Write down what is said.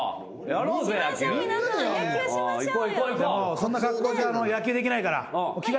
そんな格好じゃ野球できないから。